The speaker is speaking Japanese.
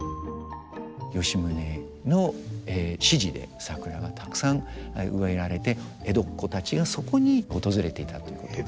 吉宗の指示で桜がたくさん植えられて江戸っ子たちがそこに訪れていたということが。